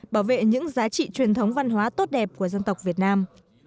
bảo vệ những giá trị truyền thống văn hóa tốt đẹp của dân tộc việt nam